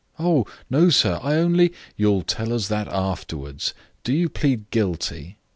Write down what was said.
"Oh, no, sir. I only, " "You'll tell us that afterwards. Do you plead guilty?"